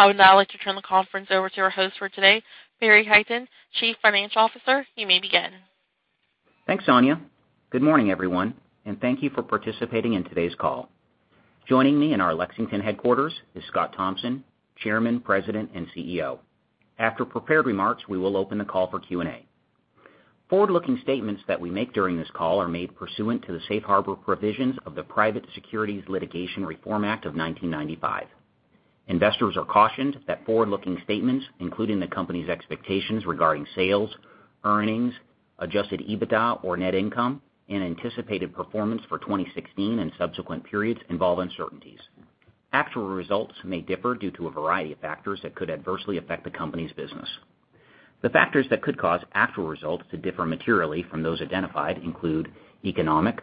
I would now like to turn the conference over to our host for today, Barry Hytinen, Chief Financial Officer. You may begin. Thanks, Sonia. Good morning, everyone. Thank you for participating in today's call. Joining me in our Lexington headquarters is Scott Thompson, Chairman, President, and CEO. After prepared remarks, we will open the call for Q&A. Forward-looking statements that we make during this call are made pursuant to the safe harbor provisions of the Private Securities Litigation Reform Act of 1995. Investors are cautioned that forward-looking statements, including the company's expectations regarding sales, earnings, adjusted EBITDA or net income, and anticipated performance for 2016 and subsequent periods involve uncertainties. Actual results may differ due to a variety of factors that could adversely affect the company's business. The factors that could cause actual results to differ materially from those identified include economic,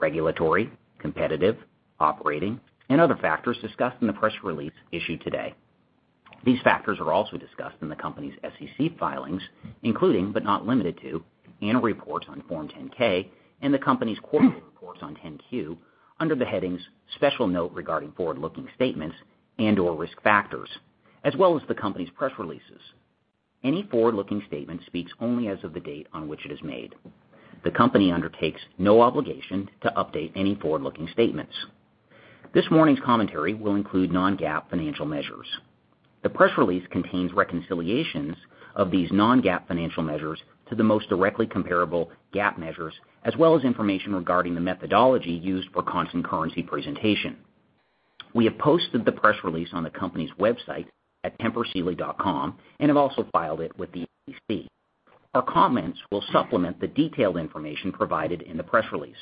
regulatory, competitive, operating, and other factors discussed in the press release issued today. These factors are also discussed in the company's SEC filings, including, but not limited to, annual reports on Form 10-K and the company's quarterly reports on 10-Q under the headings "Special Note Regarding Forward-Looking Statements" and/or "Risk Factors," as well as the company's press releases. Any forward-looking statement speaks only as of the date on which it is made. The company undertakes no obligation to update any forward-looking statements. This morning's commentary will include non-GAAP financial measures. The press release contains reconciliations of these non-GAAP financial measures to the most directly comparable GAAP measures, as well as information regarding the methodology used for constant currency presentation. We have posted the press release on the company's website at tempursealy.com and have also filed it with the SEC. Our comments will supplement the detailed information provided in the press release.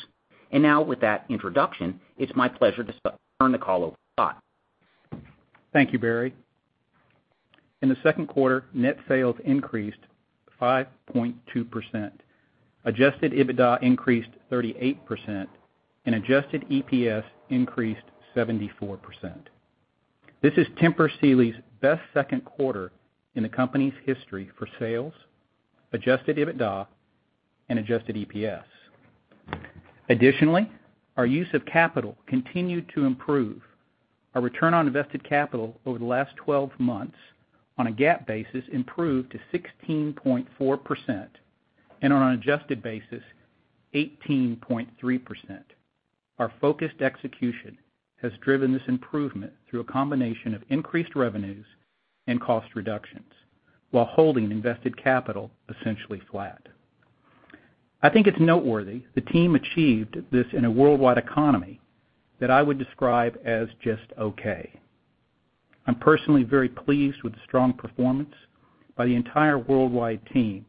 Now with that introduction, it's my pleasure to turn the call over to Scott. Thank you, Barry. In the second quarter, net sales increased 5.2%, adjusted EBITDA increased 38%, and adjusted EPS increased 74%. This is Tempur Sealy's best second quarter in the company's history for sales, adjusted EBITDA, and adjusted EPS. Additionally, our use of capital continued to improve. Our return on invested capital over the last 12 months on a GAAP basis improved to 16.4%, and on an adjusted basis, 18.3%. Our focused execution has driven this improvement through a combination of increased revenues and cost reductions while holding invested capital essentially flat. I think it's noteworthy the team achieved this in a worldwide economy that I would describe as just okay. I'm personally very pleased with the strong performance by the entire worldwide team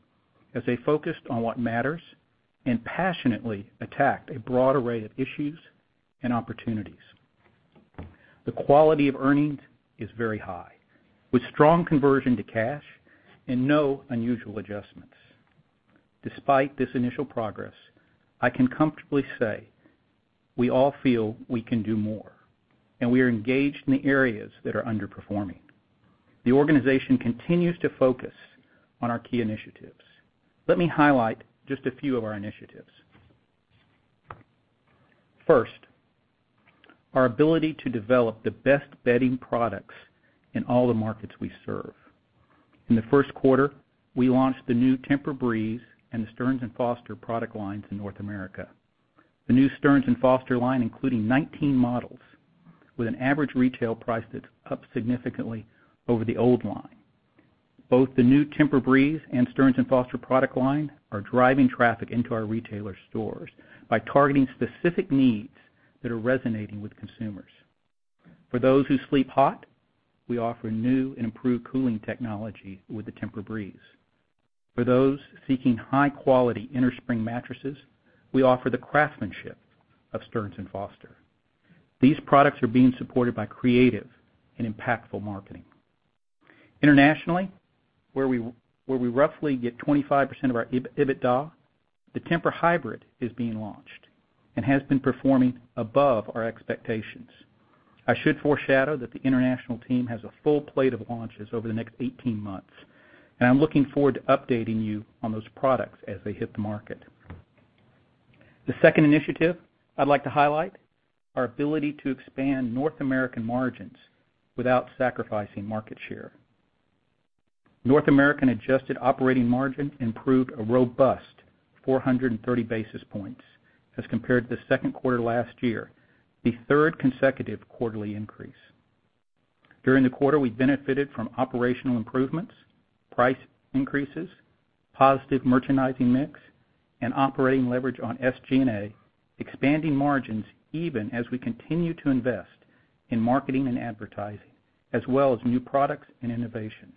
as they focused on what matters and passionately attacked a broad array of issues and opportunities. The quality of earnings is very high, with strong conversion to cash and no unusual adjustments. Despite this initial progress, I can comfortably say we all feel we can do more, and we are engaged in the areas that are underperforming. The organization continues to focus on our key initiatives. Let me highlight just a few of our initiatives. First, our ability to develop the best bedding products in all the markets we serve. In the first quarter, we launched the new TEMPUR-Breeze and the Stearns & Foster product lines in North America. The new Stearns & Foster line including 19 models with an average retail price that's up significantly over the old line. Both the new TEMPUR-Breeze and Stearns & Foster product line are driving traffic into our retailer stores by targeting specific needs that are resonating with consumers. For those who sleep hot, we offer new and improved cooling technology with the TEMPUR-Breeze. For those seeking high-quality innerspring mattresses, we offer the craftsmanship of Stearns & Foster. These products are being supported by creative and impactful marketing. Internationally, where we roughly get 25% of our EBITDA, the Tempur-Hybrid is being launched and has been performing above our expectations. I should foreshadow that the international team has a full plate of launches over the next 18 months, and I'm looking forward to updating you on those products as they hit the market. The second initiative I'd like to highlight, our ability to expand North American margins without sacrificing market share. North American adjusted operating margin improved a robust 430 basis points as compared to the second quarter last year, the third consecutive quarterly increase. During the quarter, we benefited from operational improvements, price increases, positive merchandising mix, and operating leverage on SG&A, expanding margins even as we continue to invest in marketing and advertising, as well as new products and innovation.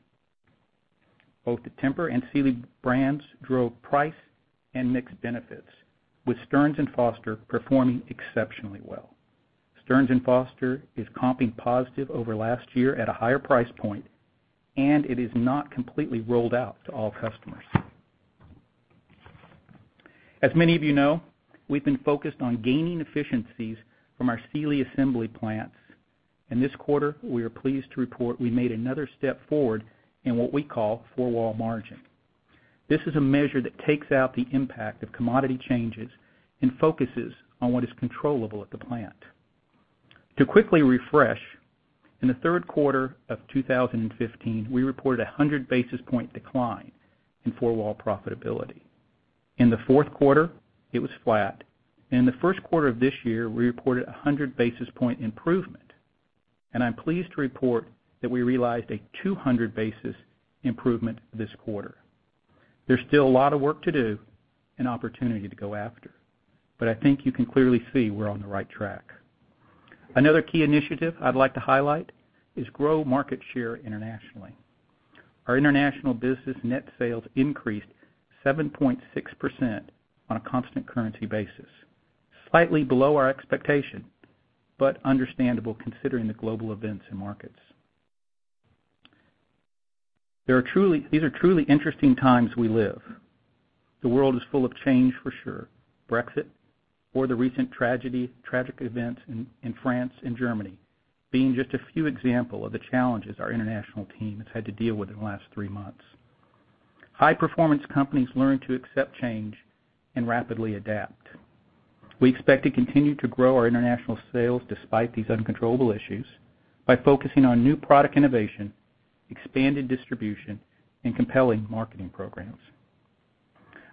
Both the Tempur and Sealy brands drove price and mix benefits, with Stearns & Foster performing exceptionally well. Stearns & Foster is comping positive over last year at a higher price point, and it is not completely rolled out to all customers. As many of you know, we've been focused on gaining efficiencies from our Sealy assembly plants. In this quarter, we are pleased to report we made another step forward in what we call four-wall margin. This is a measure that takes out the impact of commodity changes and focuses on what is controllable at the plant. To quickly refresh, in the third quarter of 2015, we reported a 100-basis point decline in four-wall profitability. In the fourth quarter, it was flat, in the first quarter of this year, we reported a 100-basis point improvement. I'm pleased to report that we realized a 200-basis improvement this quarter. There's still a lot of work to do and opportunity to go after, I think you can clearly see we're on the right track. Another key initiative I'd like to highlight is grow market share internationally. Our international business net sales increased 7.6% on a constant currency basis, slightly below our expectation, but understandable considering the global events and markets. These are truly interesting times we live. The world is full of change for sure. Brexit or the recent tragic events in France and Germany being just a few example of the challenges our international team has had to deal with in the last three months. High-performance companies learn to accept change and rapidly adapt. We expect to continue to grow our international sales despite these uncontrollable issues by focusing on new product innovation, expanded distribution, and compelling marketing programs.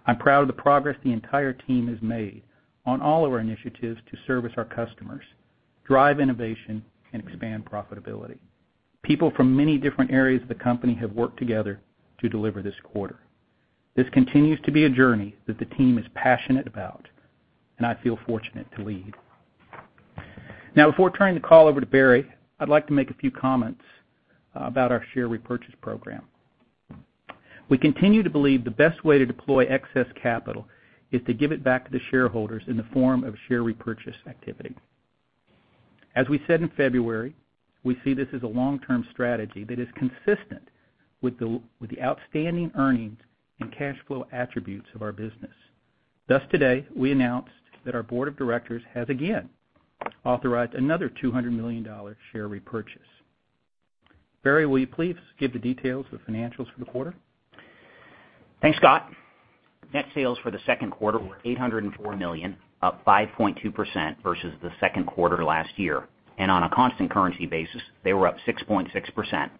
I'm proud of the progress the entire team has made on all of our initiatives to service our customers, drive innovation, and expand profitability. People from many different areas of the company have worked together to deliver this quarter. This continues to be a journey that the team is passionate about, I feel fortunate to lead. Before turning the call over to Barry, I'd like to make a few comments about our share repurchase program. We continue to believe the best way to deploy excess capital is to give it back to the shareholders in the form of share repurchase activity. As we said in February, we see this as a long-term strategy that is consistent with the outstanding earnings and cash flow attributes of our business. Thus today, we announced that our board of directors has again authorized another $200 million share repurchase. Barry, will you please give the details of financials for the quarter? Thanks, Scott. Net sales for the second quarter were $804 million, up 5.2% versus the second quarter last year, on a constant currency basis, they were up 6.6%.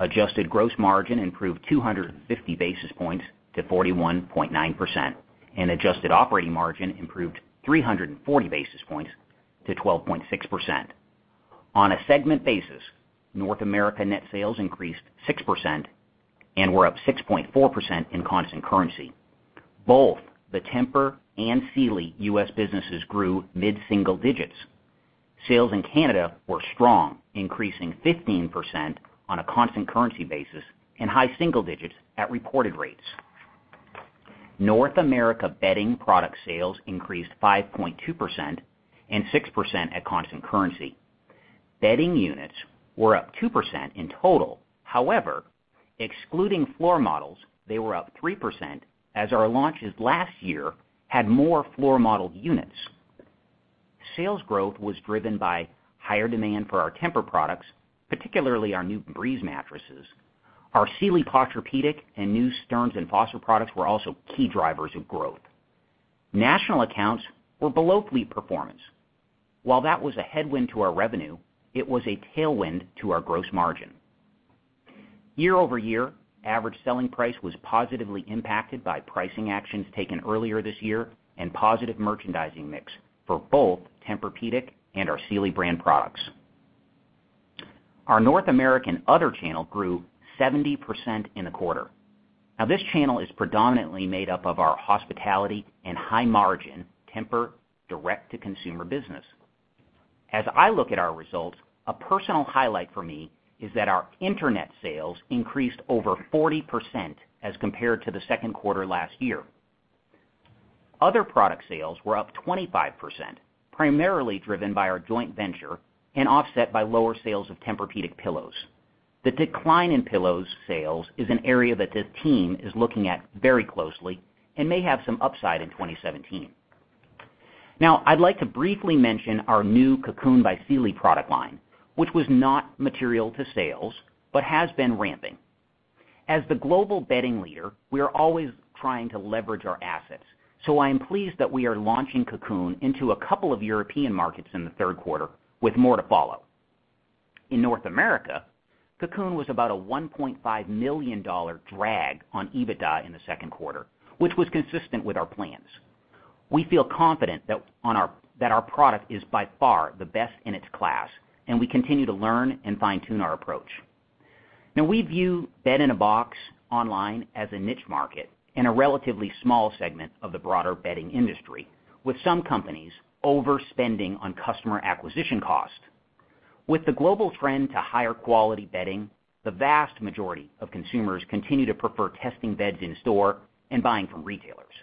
Adjusted gross margin improved 250 basis points to 41.9%, adjusted operating margin improved 340 basis points to 12.6%. On a segment basis, North America net sales increased 6% and were up 6.4% in constant currency. Both the Tempur and Sealy US businesses grew mid-single digits. Sales in Canada were strong, increasing 15% on a constant currency basis and high single digits at reported rates. North America bedding product sales increased 5.2% and 6% at constant currency. Bedding units were up 2% in total. However, excluding floor models, they were up 3% as our launches last year had more floor modeled units. Sales growth was driven by higher demand for our Tempur products, particularly our new TEMPUR-Breeze mattresses. Our Sealy Posturepedic and new Stearns & Foster products were also key drivers of growth. National accounts were below fleet performance. While that was a headwind to our revenue, it was a tailwind to our gross margin. Year-over-year, average selling price was positively impacted by pricing actions taken earlier this year and positive merchandising mix for both Tempur-Pedic and our Sealy brand products. Our North American other channel grew 70% in the quarter. This channel is predominantly made up of our hospitality and high-margin Tempur direct-to-consumer business. As I look at our results, a personal highlight for me is that our internet sales increased over 40% as compared to the second quarter last year. Other product sales were up 25%, primarily driven by our joint venture and offset by lower sales of Tempur-Pedic pillows. The decline in pillows sales is an area that the team is looking at very closely and may have some upside in 2017. I'd like to briefly mention our new Cocoon by Sealy product line, which was not material to sales but has been ramping. As the global bedding leader, we are always trying to leverage our assets, so I am pleased that we are launching Cocoon into a couple of European markets in the third quarter with more to follow. In North America, Cocoon was about a $1.5 million drag on EBITDA in the second quarter, which was consistent with our plans. We feel confident that our product is by far the best in its class, and we continue to learn and fine-tune our approach. We view bed-in-a-box online as a niche market and a relatively small segment of the broader bedding industry, with some companies overspending on customer acquisition costs. With the global trend to higher quality bedding, the vast majority of consumers continue to prefer testing beds in store and buying from retailers.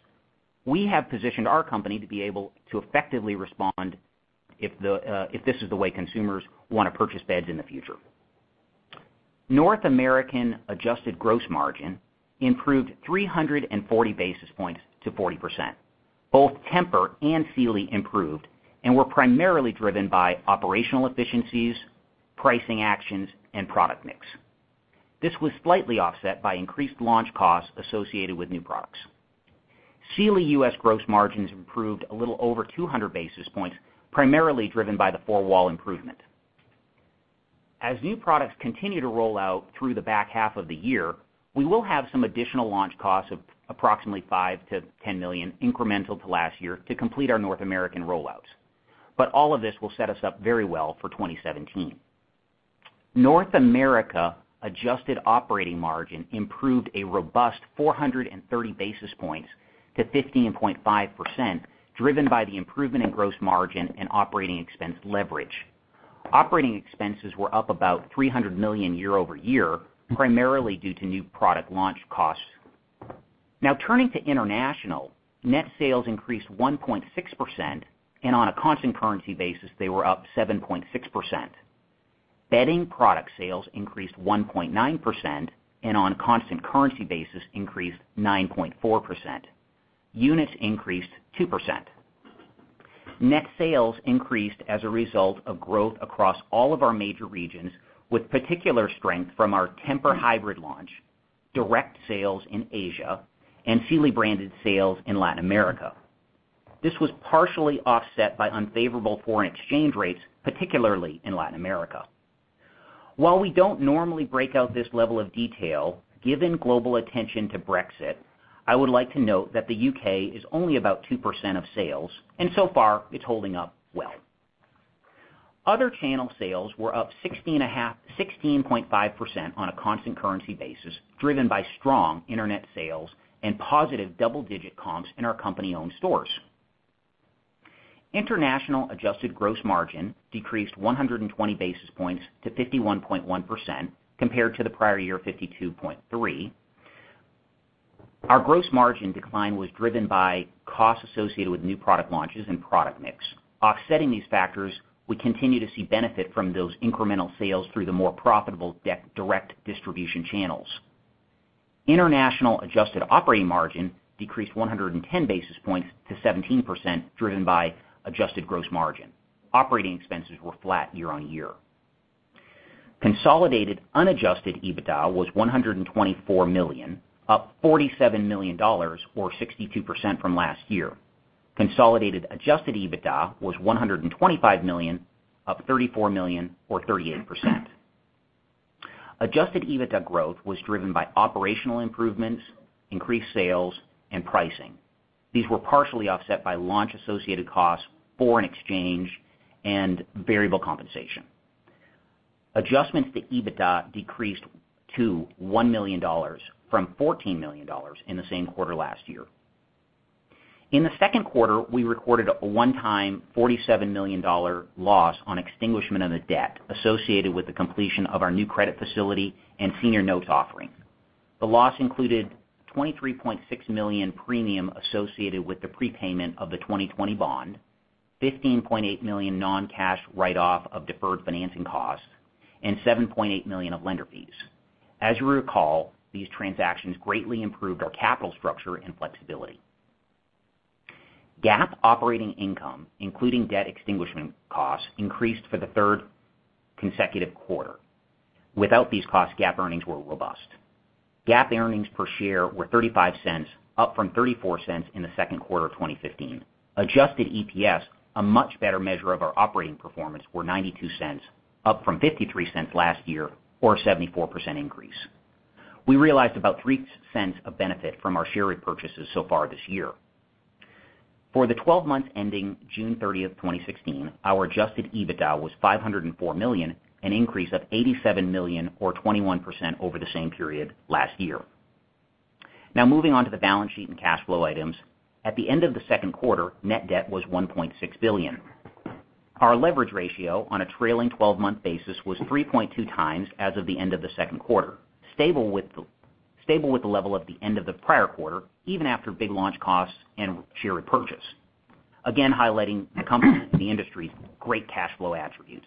We have positioned our company to be able to effectively respond if this is the way consumers want to purchase beds in the future. North American adjusted gross margin improved 340 basis points to 40%. Both Tempur and Sealy improved and were primarily driven by operational efficiencies, pricing actions, and product mix. This was slightly offset by increased launch costs associated with new products. Sealy US gross margins improved a little over 200 basis points, primarily driven by the four-wall improvement. As new products continue to roll out through the back half of the year, we will have some additional launch costs of approximately $5 million to $10 million incremental to last year to complete our North American rollouts. All of this will set us up very well for 2017. North America adjusted operating margin improved a robust 430 basis points to 15.5%, driven by the improvement in gross margin and operating expense leverage. Operating expenses were up about $300 million year-over-year, primarily due to new product launch costs. Turning to international. Net sales increased 1.6%, and on a constant currency basis, they were up 7.6%. Bedding product sales increased 1.9% and on a constant currency basis, increased 9.4%. Units increased 2%. Net sales increased as a result of growth across all of our major regions, with particular strength from our Tempur-Hybrid launch, direct sales in Asia, and Sealy-branded sales in Latin America. This was partially offset by unfavorable foreign exchange rates, particularly in Latin America. While we don't normally break out this level of detail, given global attention to Brexit, I would like to note that the U.K. is only about 2% of sales, and so far, it's holding up well. Other channel sales were up 16.5% on a constant currency basis, driven by strong internet sales and positive double-digit comps in our company-owned stores. International adjusted gross margin decreased 120 basis points to 51.1% compared to the prior year, 52.3%. Our gross margin decline was driven by costs associated with new product launches and product mix. Offsetting these factors, we continue to see benefit from those incremental sales through the more profitable direct distribution channels. International adjusted operating margin decreased 110 basis points to 17%, driven by adjusted gross margin. Operating expenses were flat year-on-year. Consolidated unadjusted EBITDA was $124 million, up $47 million or 62% from last year. Consolidated adjusted EBITDA was $125 million, up $34 million or 38%. Adjusted EBITDA growth was driven by operational improvements, increased sales, and pricing. These were partially offset by launch-associated costs, foreign exchange, and variable compensation. Adjustments to EBITDA decreased to $1 million from $14 million in the same quarter last year. In the second quarter, we recorded a one-time $47 million loss on extinguishment of the debt associated with the completion of our new credit facility and senior notes offering. The loss included $23.6 million premium associated with the prepayment of the 2020 bond, $15.8 million non-cash write-off of deferred financing costs, and $7.8 million of lender fees. As you recall, these transactions greatly improved our capital structure and flexibility. GAAP operating income, including debt extinguishment costs, increased for the third consecutive quarter. Without these costs, GAAP earnings were robust. GAAP earnings per share were $0.35, up from $0.34 in the second quarter of 2015. Adjusted EPS, a much better measure of our operating performance, were $0.92, up from $0.53 last year or a 74% increase. We realized about $0.03 of benefit from our share repurchases so far this year. For the 12 months ending June 30th, 2016, our adjusted EBITDA was $504 million, an increase of $87 million or 21% over the same period last year. Now moving on to the balance sheet and cash flow items. At the end of the second quarter, net debt was $1.6 billion. Our leverage ratio on a trailing 12-month basis was 3.2 times as of the end of the second quarter, stable with the level at the end of the prior quarter, even after big launch costs and share repurchase. Again, highlighting the company's and the industry's great cash flow attributes.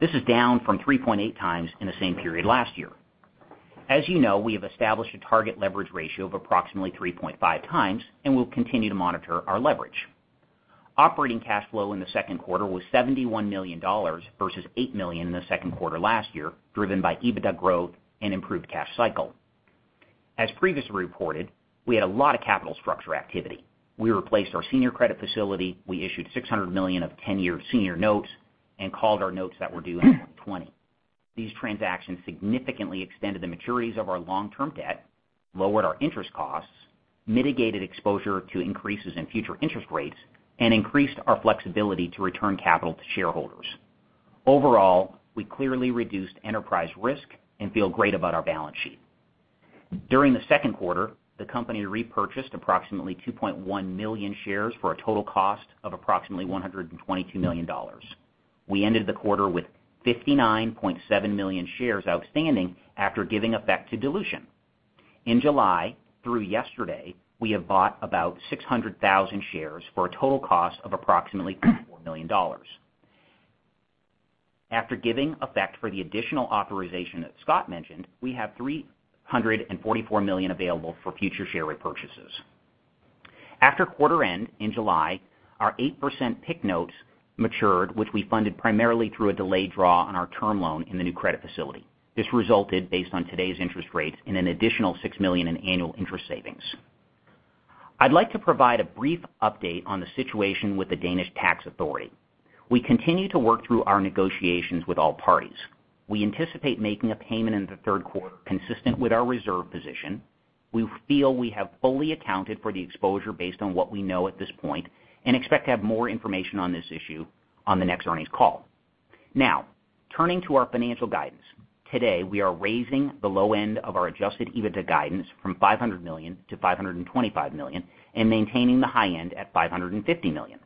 This is down from 3.8 times in the same period last year. As you know, we have established a target leverage ratio of approximately 3.5 times, and we'll continue to monitor our leverage. Operating cash flow in the second quarter was $71 million versus $8 million in the second quarter last year, driven by EBITDA growth and improved cash cycle. As previously reported, we had a lot of capital structure activity. We replaced our senior credit facility, we issued $600 million of 10-year senior notes, and called our notes that were due in 2020. These transactions significantly extended the maturities of our long-term debt, lowered our interest costs, mitigated exposure to increases in future interest rates, and increased our flexibility to return capital to shareholders. Overall, we clearly reduced enterprise risk and feel great about our balance sheet. During the second quarter, the company repurchased approximately 2.1 million shares for a total cost of approximately $122 million. We ended the quarter with 59.7 million shares outstanding after giving effect to dilution. In July, through yesterday, we have bought about 600,000 shares for a total cost of approximately $54 million. After giving effect for the additional authorization that Scott mentioned, we have $344 million available for future share repurchases. After quarter end in July, our 8% PIK Notes matured, which we funded primarily through a delayed draw on our term loan in the new credit facility. This resulted, based on today's interest rates, in an additional $6 million in annual interest savings. I'd like to provide a brief update on the situation with the Danish Tax Authority. We continue to work through our negotiations with all parties. We anticipate making a payment in the third quarter consistent with our reserve position. We feel we have fully accounted for the exposure based on what we know at this point and expect to have more information on this issue on the next earnings call. Now, turning to our financial guidance. Today, we are raising the low end of our adjusted EBITDA guidance from $500 million to $525 million and maintaining the high end at $550 million.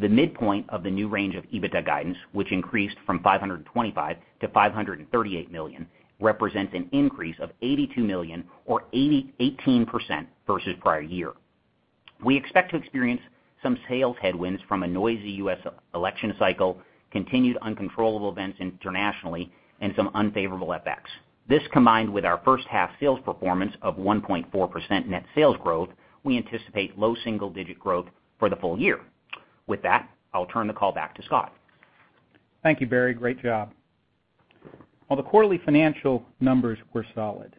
The midpoint of the new range of EBITDA guidance, which increased from $525 million to $538 million, represents an increase of $82 million or 18% versus prior year. We expect to experience some sales headwinds from a noisy U.S. election cycle, continued uncontrollable events internationally, and some unfavorable FX. This, combined with our first half sales performance of 1.4% net sales growth, we anticipate low single-digit growth for the full year. With that, I'll turn the call back to Scott. Thank you, Barry. Great job. While the quarterly financial numbers were solid,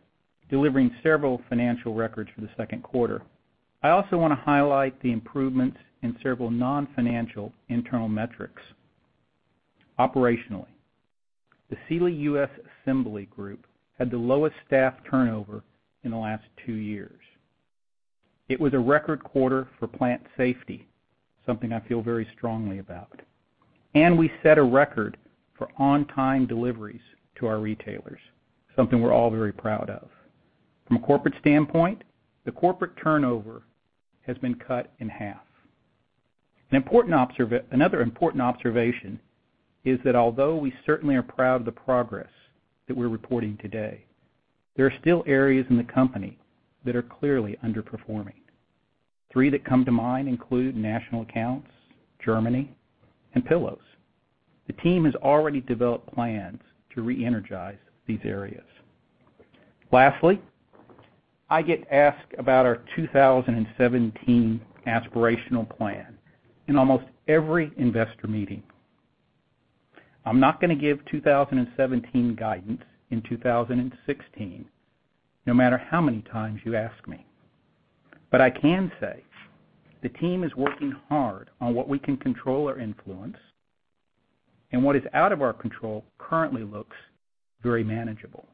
delivering several financial records for the second quarter, I also want to highlight the improvements in several non-financial internal metrics. Operationally, the Sealy U.S. Assembly group had the lowest staff turnover in the last two years. It was a record quarter for plant safety, something I feel very strongly about. We set a record for on-time deliveries to our retailers, something we're all very proud of. From a corporate standpoint, the corporate turnover has been cut in half. Another important observation is that although we certainly are proud of the progress that we're reporting today, there are still areas in the company that are clearly underperforming. Three that come to mind include national accounts, Germany, and pillows. The team has already developed plans to re-energize these areas. Lastly, I get asked about our 2017 aspirational plan in almost every investor meeting. I'm not going to give 2017 guidance in 2016, no matter how many times you ask me. I can say the team is working hard on what we can control or influence, and what is out of our control currently looks very manageable.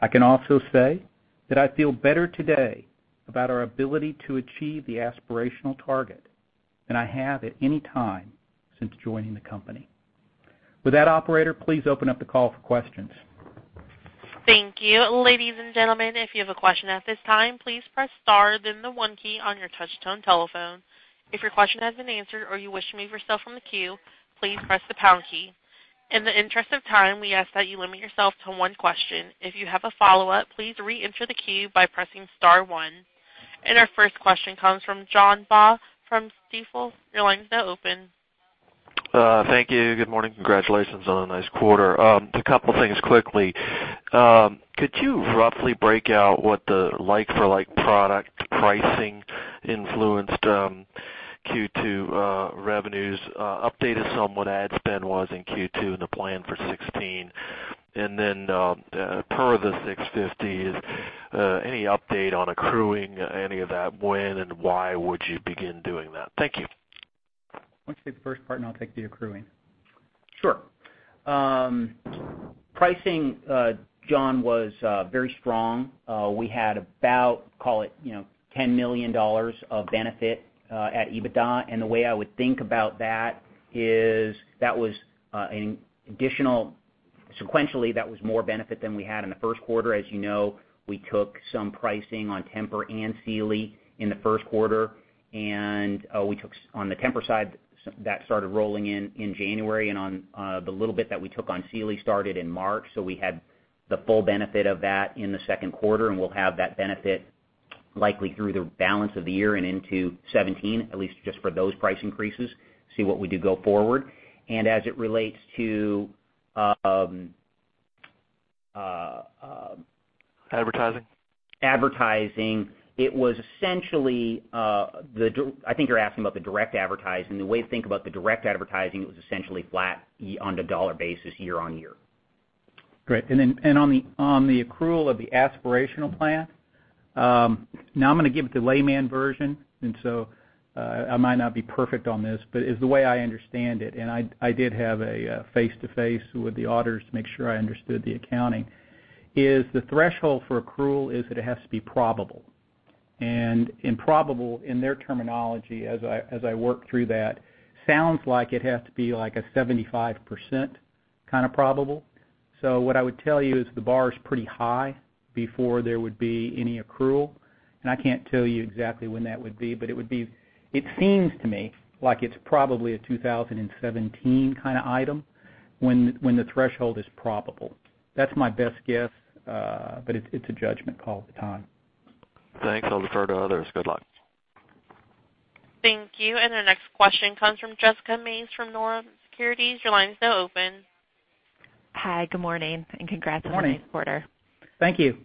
I can also say that I feel better today about our ability to achieve the aspirational target than I have at any time since joining the company. With that, operator, please open up the call for questions. Thank you. Ladies and gentlemen, if you have a question at this time, please press star then the one key on your touch-tone telephone. If your question has been answered or you wish to remove yourself from the queue, please press the pound key. In the interest of time, we ask that you limit yourself to one question. If you have a follow-up, please reenter the queue by pressing star one. Our first question comes from John Baugh from Stifel. Your line is now open. Thank you. Good morning. Congratulations on a nice quarter. Just a couple of things quickly. Could you roughly break out what the like-for-like product pricing influenced Q2 revenues, update us on what ad spend was in Q2 and the plan for '16? Per the 650s, any update on accruing any of that? When and why would you begin doing that? Thank you. Why don't you take the first part and I'll take the accruing. Sure. Pricing, John, was very strong. We had about, call it, $10 million of benefit at EBITDA. The way I would think about that is sequentially, that was more benefit than we had in the first quarter. As you know, we took some pricing on Tempur and Sealy in the first quarter, and on the Tempur side, that started rolling in in January, and on the little bit that we took on Sealy started in March. We had the full benefit of that in the second quarter, and we'll have that benefit likely through the balance of the year and into 2017, at least just for those price increases, see what we do go forward. As it relates to- Advertising. Advertising, I think you're asking about the direct advertising. The way to think about the direct advertising, it was essentially flat on a dollar basis year-over-year. Great. On the accrual of the aspirational plan, now I'm going to give the layman version, I might not be perfect on this. As the way I understand it, and I did have a face-to-face with the auditors to make sure I understood the accounting, is the threshold for accrual is that it has to be probable. Probable in their terminology, as I worked through that, sounds like it has to be like a 75% kind of probable. What I would tell you is the bar is pretty high before there would be any accrual, and I can't tell you exactly when that would be. It seems to me like it's probably a 2017 kind of item when the threshold is probable. That's my best guess, but it's a judgment call at the time. Thanks. I'll defer to others. Good luck. Thank you. Our next question comes from Jessica Mays from Nomura Securities. Your line is now open. Hi, good morning and congrats on a nice quarter. Good morning. Thank you.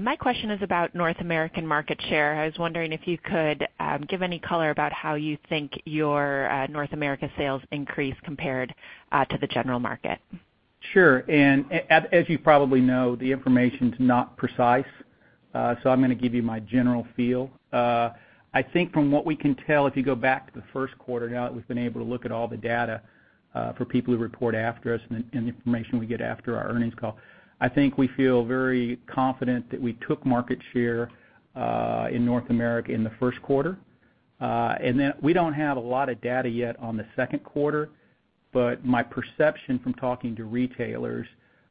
My question is about North American market share. I was wondering if you could give any color about how you think your North America sales increased compared to the general market. Sure. As you probably know, the information's not precise, I'm going to give you my general feel. I think from what we can tell, if you go back to the first quarter, now that we've been able to look at all the data for people who report after us and the information we get after our earnings call, I think we feel very confident that we took market share in North America in the first quarter. We don't have a lot of data yet on the second quarter, but my perception from talking to retailers,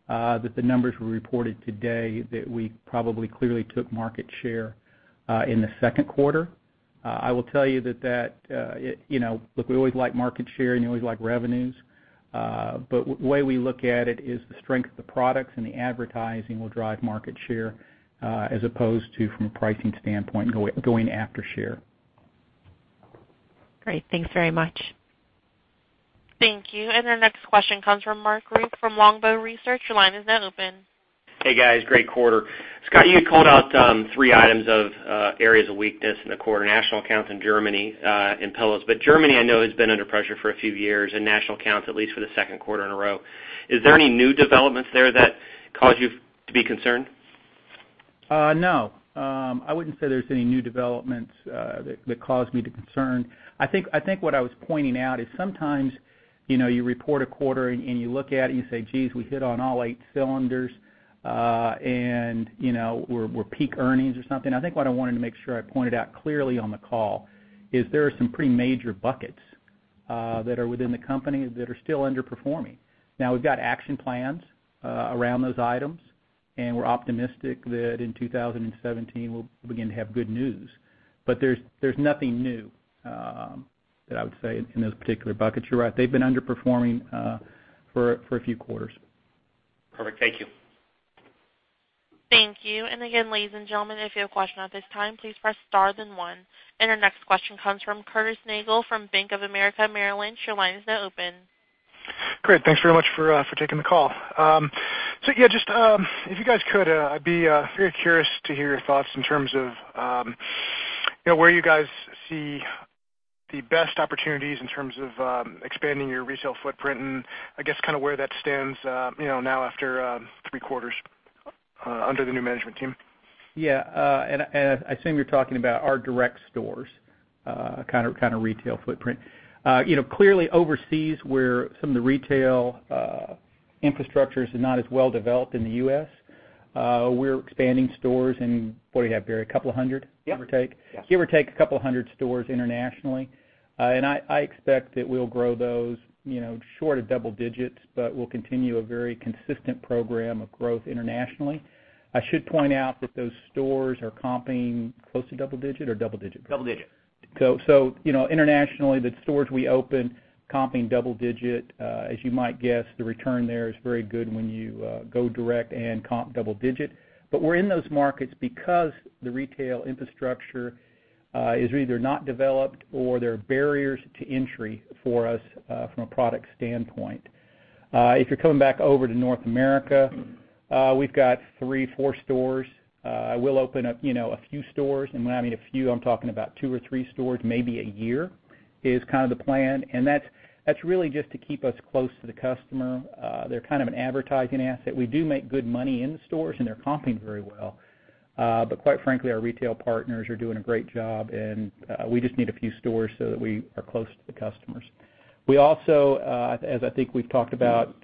that the numbers were reported today, that we probably clearly took market share in the second quarter. I will tell you that we always like market share, and you always like revenues. The way we look at it is the strength of the products and the advertising will drive market share, as opposed to from a pricing standpoint, going after share. Great. Thanks very much. Thank you. Our next question comes from Mark Rupe from Longbow Research. Your line is now open. Hey, guys. Great quarter. Scott, you had called out three items of areas of weakness in the quarter, national accounts in Germany, and pillows. Germany, I know, has been under pressure for a few years and national accounts, at least for the second quarter in a row. Is there any new developments there that cause you to be concerned? No. I wouldn't say there's any new developments that cause me to concern. I think what I was pointing out is sometimes, you report a quarter and you look at it and you say, "Geez, we hit on all eight cylinders, and we're peak earnings or something." I think what I wanted to make sure I pointed out clearly on the call is there are some pretty major buckets that are within the company that are still underperforming. We've got action plans around those items, and we're optimistic that in 2017 we'll begin to have good news. There's nothing new that I would say in those particular buckets. You're right, they've been underperforming for a few quarters. Perfect. Thank you. Thank you. Again, ladies and gentlemen, if you have a question at this time, please press star then one. Our next question comes from Curtis Nagle from Bank of America. Your line is now open. Great. Thanks very much for taking the call. If you guys could, I'd be very curious to hear your thoughts in terms of where you guys see the best opportunities in terms of expanding your retail footprint and I guess where that stands now after three quarters under the new management team. I assume you're talking about our direct stores kind of retail footprint. Clearly overseas, where some of the retail infrastructure is not as well developed in the U.S., we're expanding stores in, what do we have, Barry, 200, give or take? Give or take 200 stores internationally. I expect that we'll grow those short of double digits, but we'll continue a very consistent program of growth internationally. I should point out that those stores are comping close to double digit or double digit? Double digit. Internationally, the stores we open comping double digit, as you might guess, the return there is very good when you go direct and comp double digit. But we're in those markets because the retail infrastructure is either not developed or there are barriers to entry for us from a product standpoint. If you're coming back over to North America, we've got three, four stores. We'll open up a few stores, and when I mean a few, I'm talking about two or three stores, maybe a year is kind of the plan. That's really just to keep us close to the customer. They're kind of an advertising asset. We do make good money in the stores, and they're comping very well. Quite frankly, our retail partners are doing a great job, and we just need a few stores so that we are close to the customers. We also, as I think we've talked about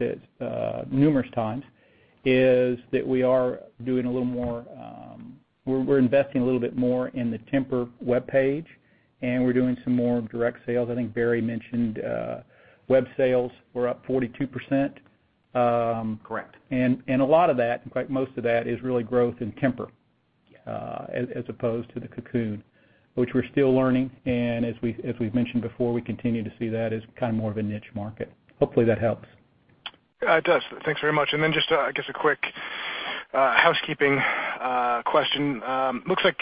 numerous times, is that we're investing a little bit more in the Tempur webpage, and we're doing some more direct sales. I think Barry mentioned web sales were up 42%. Correct. A lot of that, in fact, most of that is really growth in Tempur as opposed to the Cocoon, which we're still learning, and as we've mentioned before, we continue to see that as kind of more of a niche market. Hopefully that helps. It does. Thanks very much. Just, I guess a quick housekeeping question. Looks like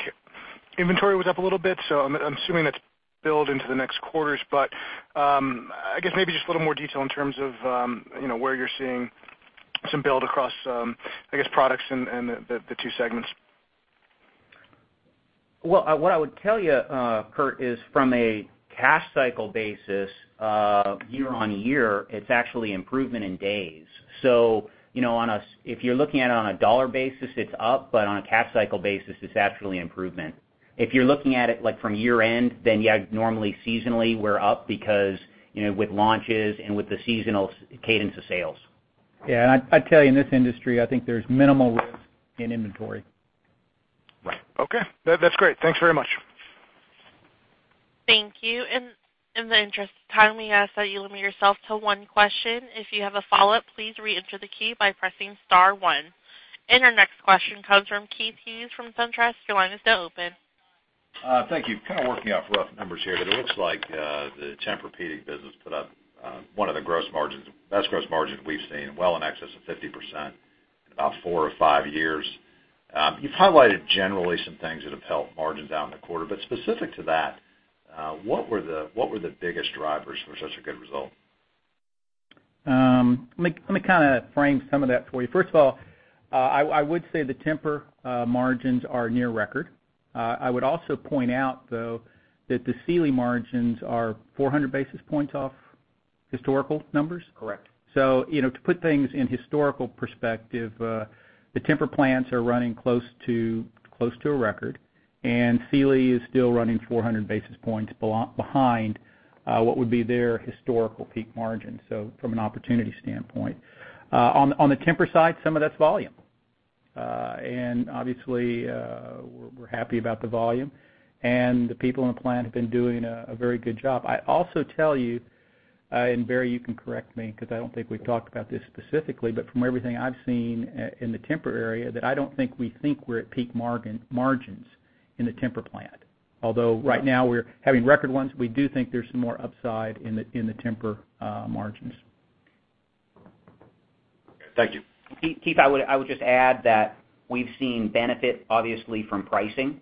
inventory was up a little bit, so I'm assuming that's build into the next quarters. I guess maybe just a little more detail in terms of where you're seeing some build across, I guess, products and the two segments. What I would tell you, Curt, is from a cash cycle basis, year-over-year, it's actually improvement in days. If you're looking at it on a dollar basis, it's up, on a cash cycle basis, it's actually an improvement. If you're looking at it from year end, yeah, normally seasonally we're up because with launches and with the seasonal cadence of sales. I'd tell you in this industry, I think there's minimal risk in inventory. Right. Okay. That's great. Thanks very much. Thank you. In the interest of time, we ask that you limit yourself to one question. If you have a follow-up, please reenter the key by pressing star one. Our next question comes from Keith Hughes from SunTrust. Your line is now open. Thank you. Kind of working off rough numbers here, but it looks like the Tempur-Pedic business put up one of the best gross margin we've seen, well in excess of 50%. About four or five years. You've highlighted generally some things that have helped margins out in the quarter, but specific to that, what were the biggest drivers for such a good result? Let me frame some of that for you. First of all, I would say the Tempur margins are near record. I would also point out, though, that the Sealy margins are 400 basis points off historical numbers. Correct. To put things in historical perspective, the Tempur plants are running close to a record, and Sealy is still running 400 basis points behind what would be their historical peak margin. From an opportunity standpoint. Obviously, we're happy about the volume, and the people in the plant have been doing a very good job. I also tell you, and Barry, you can correct me, because I don't think we've talked about this specifically, but from everything I've seen in the Tempur area, that I don't think we think we're at peak margins in the Tempur plant. Although right now we're having record ones, we do think there's some more upside in the Tempur margins. Thank you. Keith, I would just add that we've seen benefit, obviously, from pricing.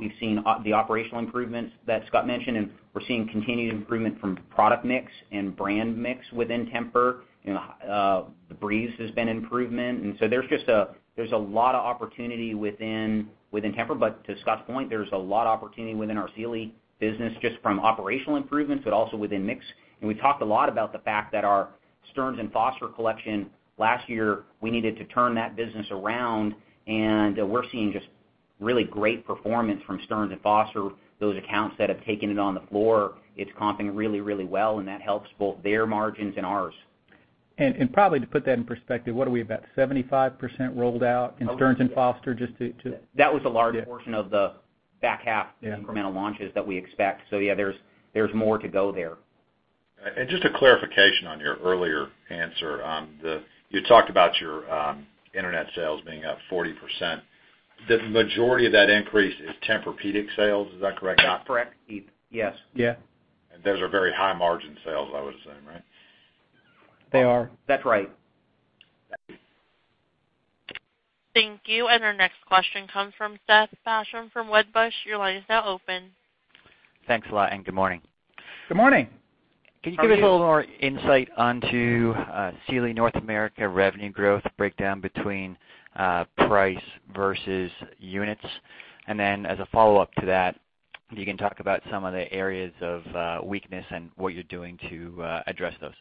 We've seen the operational improvements that Scott mentioned, we're seeing continued improvement from product mix and brand mix within Tempur. The TEMPUR-Breeze has been improvement. So there's a lot of opportunity within Tempur, but to Scott's point, there's a lot of opportunity within our Sealy business, just from operational improvements, but also within mix. We've talked a lot about the fact that our Stearns & Foster collection last year, we needed to turn that business around, and we're seeing just really great performance from Stearns & Foster. Those accounts that have taken it on the floor, it's comping really well, and that helps both their margins and ours. Probably to put that in perspective, what are we, about 75% rolled out in Stearns & Foster? That was the large portion of the back half incremental launches that we expect. Yeah, there's more to go there. Just a clarification on your earlier answer. You talked about your internet sales being up 40%. The majority of that increase is Tempur-Pedic sales. Is that correct, Scott? Correct, Keith. Yes. Yeah. Those are very high margin sales, I would assume, right? They are. That's right. Thank you. Our next question comes from Seth Basham from Wedbush. Your line is now open. Thanks a lot, good morning. Good morning. Can you give us a little more insight onto Sealy North America revenue growth breakdown between price versus units? Then as a follow-up to that, you can talk about some of the areas of weakness and what you're doing to address those.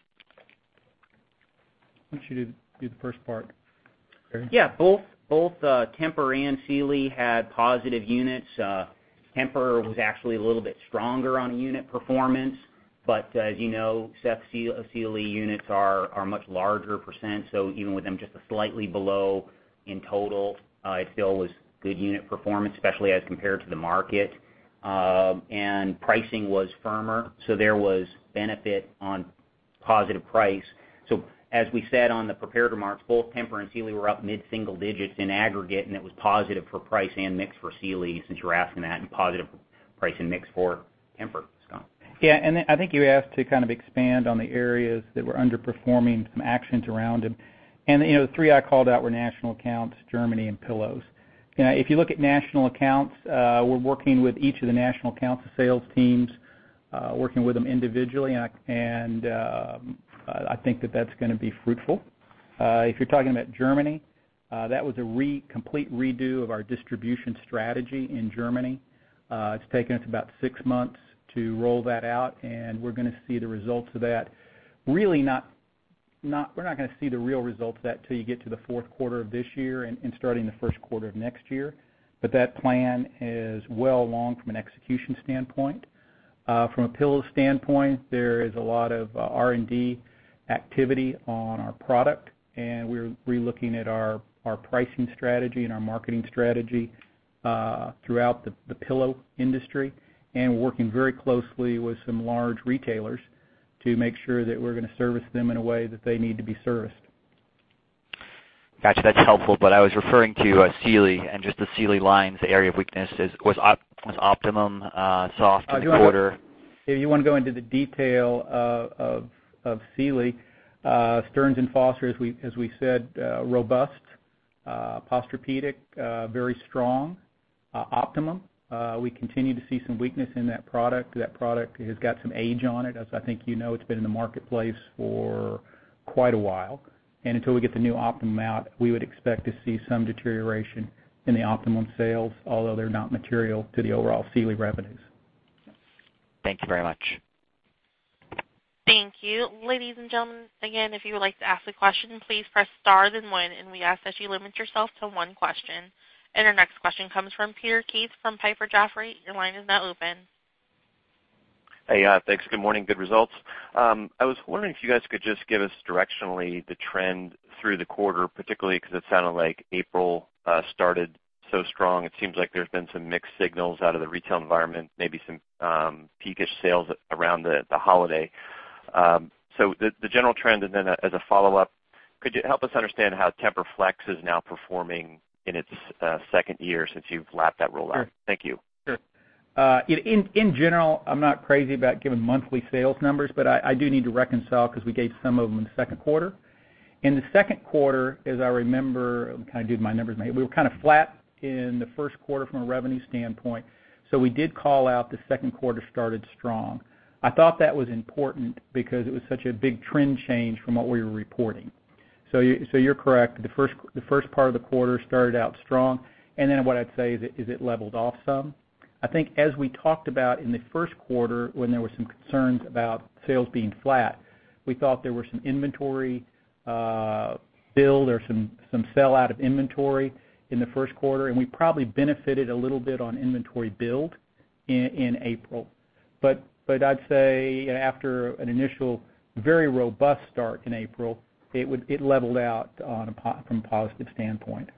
Why don't you do the first part, Barry? Yeah. Both Tempur and Sealy had positive units. Tempur was actually a little bit stronger on unit performance. As you know, Seth, Sealy units are a much larger percent. Even with them just slightly below in total, it still was good unit performance, especially as compared to the market. Pricing was firmer, there was benefit on positive price. As we said on the prepared remarks, both Tempur and Sealy were up mid-single digits in aggregate, it was positive for price and mix for Sealy, since you're asking that, and positive price and mix for Tempur. Scott? Yeah. I think you asked to kind of expand on the areas that were underperforming, some actions around them. The three I called out were national accounts, Germany, and pillows. If you look at national accounts, we're working with each of the national accounts sales teams, working with them individually, I think that that's going to be fruitful. If you're talking about Germany, that was a complete redo of our distribution strategy in Germany. It's taken us about six months to roll that out, we're going to see the results of that. Really, we're not going to see the real results of that till you get to the fourth quarter of this year and starting the first quarter of next year. That plan is well along from an execution standpoint. From a pillows standpoint, there is a lot of R&D activity on our product, we're re-looking at our pricing strategy and our marketing strategy throughout the pillow industry. We're working very closely with some large retailers to make sure that we're going to service them in a way that they need to be serviced. Got you. That's helpful. I was referring to Sealy and just the Sealy lines, the area of weakness was Optimum, [Stearns & Foster]. If you want to go into the detail of Sealy. Stearns & Foster, as we said, robust. Posturepedic, very strong. Optimum, we continue to see some weakness in that product. That product has got some age on it. As I think you know, it's been in the marketplace for quite a while. Until we get the new Optimum out, we would expect to see some deterioration in the Optimum sales, although they are not material to the overall Sealy revenues. Thank you very much. Thank you. Ladies and gentlemen, again, if you would like to ask a question, please press star then one, and we ask that you limit yourself to one question. Our next question comes from Peter Keith from Piper Jaffray. Your line is now open. Hey. Thanks. Good morning. Good results. I was wondering if you guys could just give us directionally the trend through the quarter, particularly because it sounded like April started so strong. It seems like there's been some mixed signals out of the retail environment, maybe some peak-ish sales around the holiday. The general trend, and then as a follow-up, could you help us understand how Tempur-Flex is now performing in its second year since you've lapped that rollout? Thank you. Sure. In general, I'm not crazy about giving monthly sales numbers, I do need to reconcile because we gave some of them in the second quarter. In the second quarter, as I remember, let me do my numbers, we were flat in the first quarter from a revenue standpoint. We did call out the second quarter started strong. I thought that was important because it was such a big trend change from what we were reporting. You're correct. The first part of the quarter started out strong, what I'd say is it leveled off some. I think as we talked about in the first quarter when there were some concerns about sales being flat, we thought there were some inventory build or some sell out of inventory in the first quarter, we probably benefited a little bit on inventory build in April. I'd say after an initial very robust start in April, it leveled out from a positive standpoint.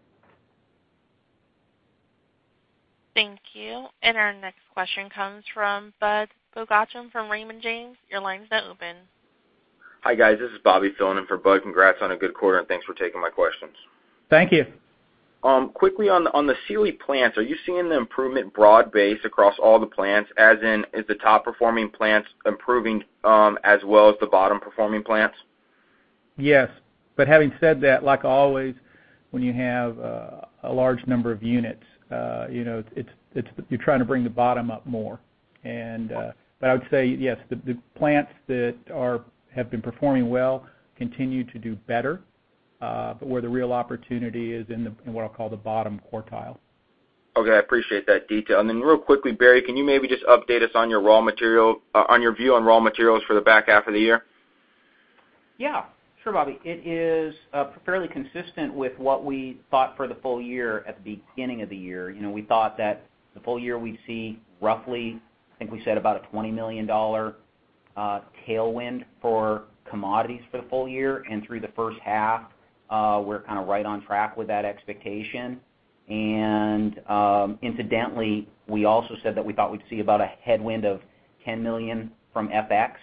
Thank you. Our next question comes from Budd Bugatch from Raymond James. Your line is now open. Hi, guys. This is Bobby filling in for Budd. Congrats on a good quarter, and thanks for taking my questions. Thank you. Quickly on the Sealy plants, are you seeing the improvement broad-based across all the plants, as in, is the top-performing plants improving as well as the bottom-performing plants? Yes. Having said that, like always, when you have a large number of units, you're trying to bring the bottom up more. I would say yes, the plants that have been performing well continue to do better. Where the real opportunity is in what I'll call the bottom quartile. Okay. I appreciate that detail. Real quickly, Barry, can you maybe just update us on your view on raw materials for the back half of the year? Yeah. Sure, Bobby. It is fairly consistent with what we thought for the full year at the beginning of the year. We thought that the full year we'd see roughly, I think we said about a $20 million tailwind for commodities for the full year. Through the first half, we're right on track with that expectation. Incidentally, we also said that we thought we'd see about a headwind of $10 million from FX,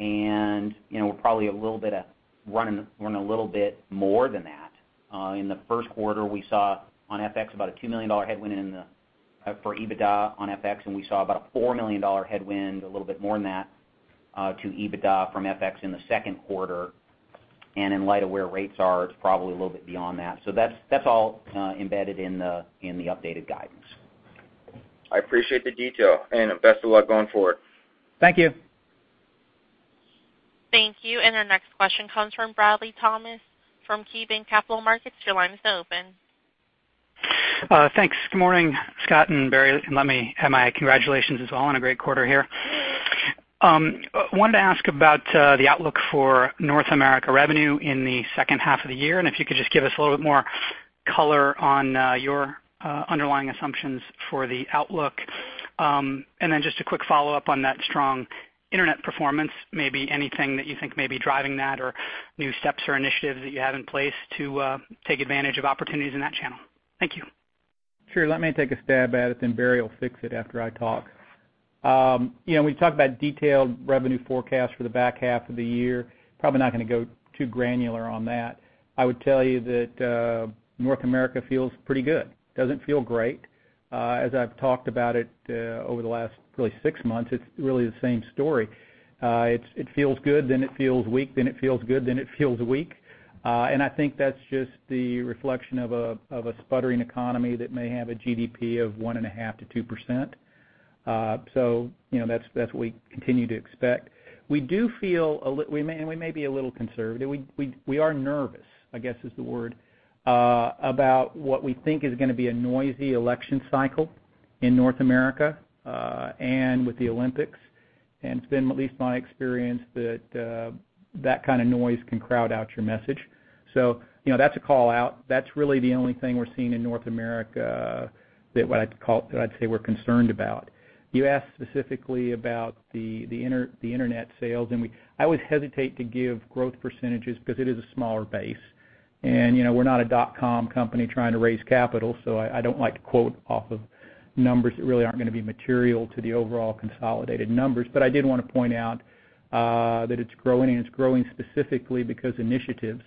and we're probably running a little bit more than that. In the first quarter, we saw on FX about a $2 million headwind for EBITDA on FX, and we saw about a $4 million headwind, a little bit more than that, to EBITDA from FX in the second quarter. In light of where rates are, it's probably a little bit beyond that. That's all embedded in the updated guidance. I appreciate the detail, and best of luck going forward. Thank you. Thank you. Our next question comes from Bradley Thomas from KeyBanc Capital Markets. Your line is now open. Thanks. Good morning, Scott and Barry, let me have my congratulations as well on a great quarter here. Wanted to ask about the outlook for North America revenue in the second half of the year, if you could just give us a little bit more color on your underlying assumptions for the outlook. Then just a quick follow-up on that strong internet performance, maybe anything that you think may be driving that or new steps or initiatives that you have in place to take advantage of opportunities in that channel. Thank you. Sure. Let me take a stab at it, Barry will fix it after I talk. When we talk about detailed revenue forecast for the back half of the year, probably not going to go too granular on that. I would tell you that North America feels pretty good. Doesn't feel great. As I've talked about it over the last really six months, it's really the same story. It feels good, then it feels weak, then it feels good, then it feels weak. I think that's just the reflection of a sputtering economy that may have a GDP of 1.5%-2%. That's what we continue to expect. We may be a little conservative. We are nervous, I guess is the word, about what we think is going to be a noisy election cycle in North America, with the Olympics. It's been at least my experience that that kind of noise can crowd out your message. That's a call-out. That's really the only thing we're seeing in North America that I'd say we're concerned about. You asked specifically about the internet sales, I always hesitate to give growth percentages because it is a smaller base. We're not a dotcom company trying to raise capital, I don't like to quote off of numbers that really aren't going to be material to the overall consolidated numbers. I did want to point out that it's growing, it's growing specifically because initiatives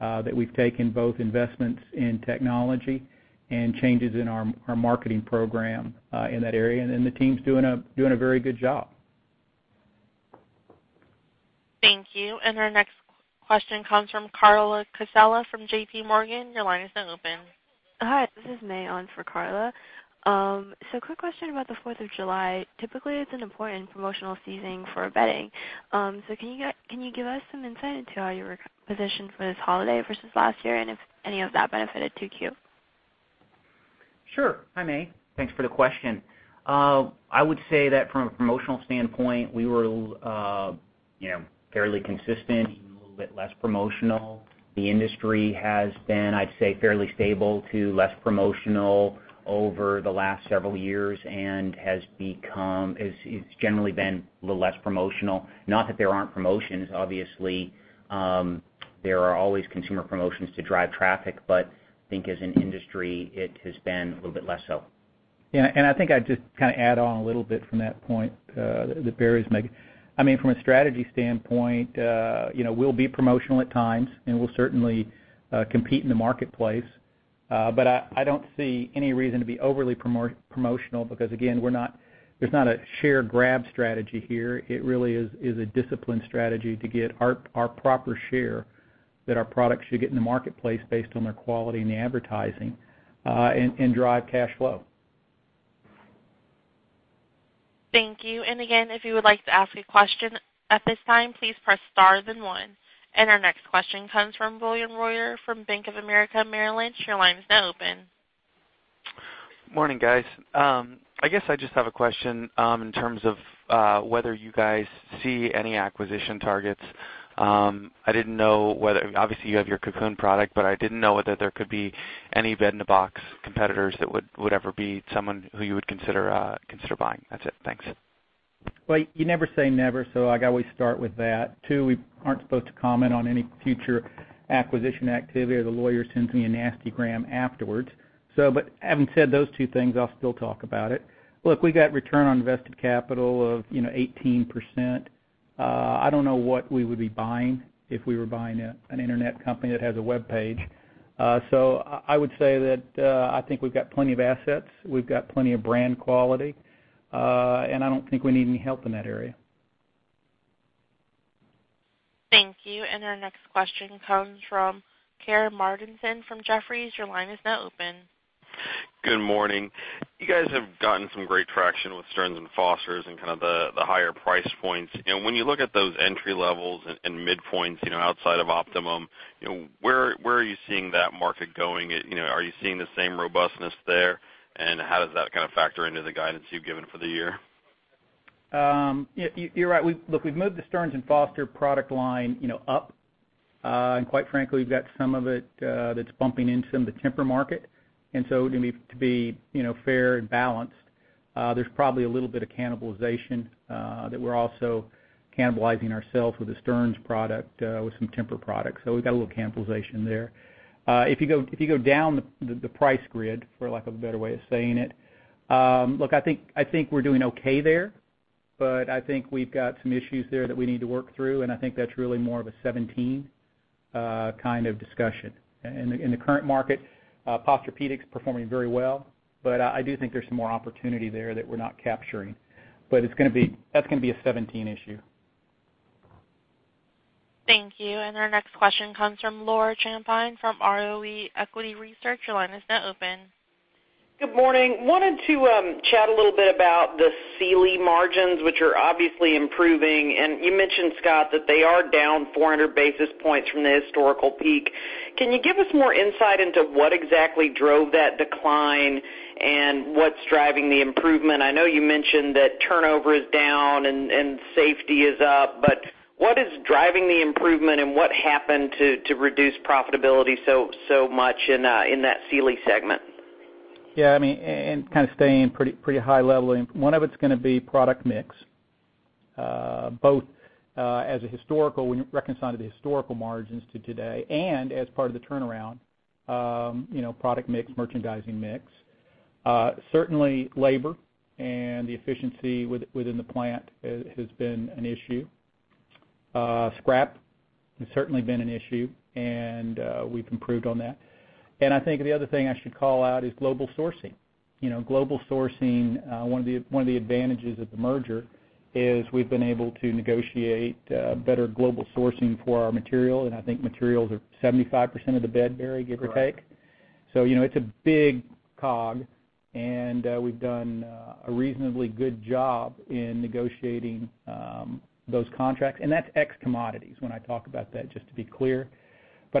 that we've taken, both investments in technology and changes in our marketing program in that area. The team's doing a very good job. Thank you. Our next question comes from Carla Casella from JP Morgan. Your line is now open. Hi, this is May on for Carla. Quick question about the 4th of July. Typically, it's an important promotional season for bedding. Can you give us some insight into how you were positioned for this holiday versus last year, and if any of that benefited 2Q? Sure. Hi, May. Thanks for the question. I would say that from a promotional standpoint, we were fairly consistent, even a little bit less promotional. The industry has been, I'd say, fairly stable to less promotional over the last several years and it's generally been a little less promotional. Not that there aren't promotions. Obviously, there are always consumer promotions to drive traffic, but I think as an industry, it has been a little bit less so. I think I'd just add on a little bit from that point that Barry's making. From a strategy standpoint, we'll be promotional at times, and we'll certainly compete in the marketplace. I don't see any reason to be overly promotional because, again, there's not a share grab strategy here. It really is a discipline strategy to get our proper share that our products should get in the marketplace based on their quality and the advertising, and drive cash flow. Thank you. Again, if you would like to ask a question at this time, please press star then one. Our next question comes from William Reuter from Bank of America Merrill Lynch. Your line is now open. Morning, guys. I guess I just have a question in terms of whether you guys see any acquisition targets. Obviously, you have your Cocoon product, but I didn't know whether there could be any bed-in-a-box competitors that would ever be someone who you would consider buying. That's it. Thanks. Well, you never say never, I always start with that. Two, we aren't supposed to comment on any future acquisition activity, or the lawyer sends me a nasty gram afterwards. Having said those two things, I'll still talk about it. Look, we got return on invested capital of 18%. I don't know what we would be buying if we were buying an internet company that has a webpage. I would say that I think we've got plenty of assets, we've got plenty of brand quality, and I don't think we need any help in that area. Thank you. Our next question comes from Karru Martinson from Jefferies. Your line is now open. Good morning. You guys have gotten some great traction with Stearns & Foster and kind of the higher price points. When you look at those entry levels and midpoints outside of Optimum, where are you seeing that market going? Are you seeing the same robustness there, how does that kind of factor into the guidance you've given for the year? You're right. Look, we've moved the Stearns & Foster product line up, quite frankly, we've got some of it that's bumping into the Tempur market. To be fair and balanced, there's probably a little bit of cannibalization that we're also cannibalizing ourselves with the Stearns product, with some Tempur products. We've got a little cannibalization there. If you go down the price grid, for lack of a better way of saying it, look, I think we're doing okay there, I think we've got some issues there that we need to work through, I think that's really more of a 2017 kind of discussion. In the current market, Posturepedic is performing very well, I do think there's some more opportunity there that we're not capturing. That's going to be a 2017 issue. Thank you. Our next question comes from Laura Champine from Roe Equity Research. Your line is now open. Good morning. Wanted to chat a little bit about the Sealy margins, which are obviously improving. You mentioned, Scott, that they are down 400 basis points from the historical peak. Can you give us more insight into what exactly drove that decline and what's driving the improvement? I know you mentioned that turnover is down and safety is up, what is driving the improvement, what happened to reduce profitability so much in that Sealy segment? Yeah, kind of staying pretty high level, one of it's going to be product mix both when you reconcile to the historical margins to today and as part of the turnaround. Product mix, merchandising mix. Certainly labor and the efficiency within the plant has been an issue. Scrap has certainly been an issue, and we've improved on that. I think the other thing I should call out is global sourcing. Global sourcing, one of the advantages of the merger is we've been able to negotiate better global sourcing for our material, and I think materials are 75% of the bed, Barry, give or take. Correct. It's a big cog, and we've done a reasonably good job in negotiating those contracts, and that's ex-commodities when I talk about that, just to be clear.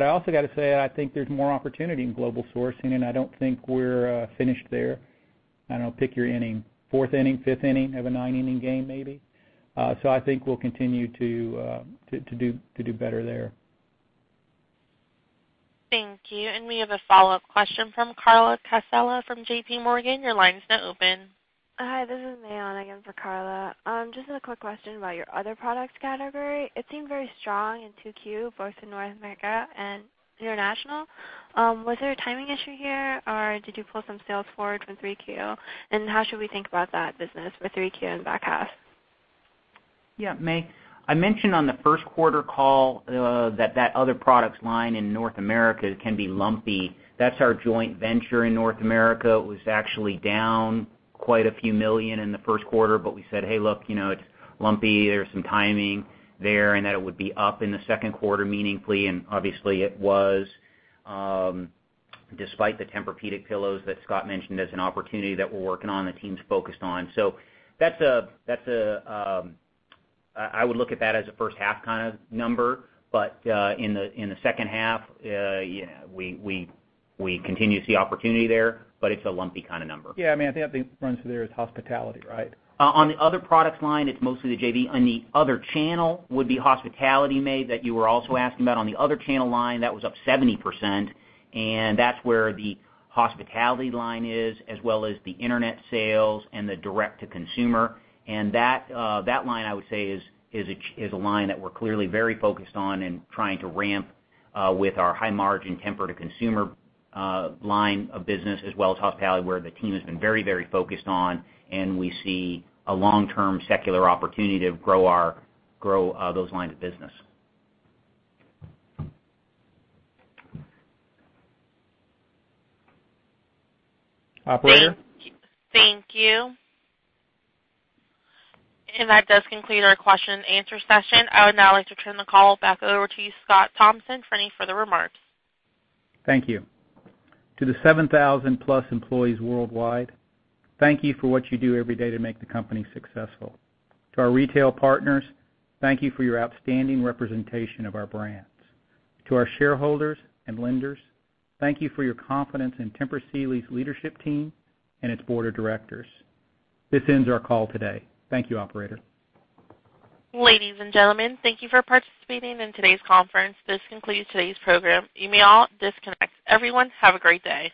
I also got to say, I think there's more opportunity in global sourcing, and I don't think we're finished there. I don't know, pick your inning. Fourth inning, fifth inning of a nine-inning game, maybe. I think we'll continue to do better there. Thank you. We have a follow-up question from Carla Casella from JP Morgan. Your line is now open. Hi, this is May on again for Carla. Just a quick question about your other products category. It seemed very strong in Q2, both in North America and international. Was there a timing issue here, or did you pull some sales forward from Q3? How should we think about that business for Q3 and the back half? Yeah, May, I mentioned on the first quarter call that that other products line in North America can be lumpy. That's our joint venture in North America. It was actually down quite a few million in the first quarter. We said, "Hey, look, it's lumpy. There's some timing there," and that it would be up in the second quarter meaningfully. Obviously it was, despite the Tempur-Pedic pillows that Scott mentioned as an opportunity that we're working on, the team's focused on. I would look at that as a first half kind of number. In the second half, we continue to see opportunity there, but it's a lumpy kind of number. Yeah, I mean, I think that runs through their hospitality, right? On the other products line, it's mostly the JV. On the other channel would be hospitality, May, that you were also asking about. On the other channel line, that was up 70%, and that's where the hospitality line is, as well as the internet sales and the direct-to-consumer. That line, I would say, is a line that we're clearly very focused on and trying to ramp with our high-margin Tempur to consumer line of business, as well as hospitality, where the team has been very focused on. We see a long-term secular opportunity to grow those lines of business. Operator? Thank you. That does conclude our question and answer session. I would now like to turn the call back over to you, Scott Thompson, for any further remarks. Thank you. To the 7,000-plus employees worldwide, thank you for what you do every day to make the company successful. To our retail partners, thank you for your outstanding representation of our brands. To our shareholders and lenders, thank you for your confidence in Tempur Sealy's leadership team and its board of directors. This ends our call today. Thank you, operator. Ladies and gentlemen, thank you for participating in today's conference. This concludes today's program. You may all disconnect. Everyone, have a great day.